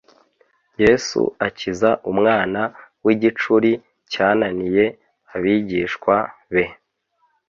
Yesu akiza umwana igicuri cyananiye abigishwa be